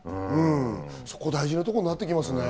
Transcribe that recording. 大事なとこになってきますね。